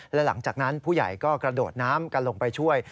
และหลังจากนั้นผู้ใหญ่ก็กระโดดน้ำกันลงไปช่วย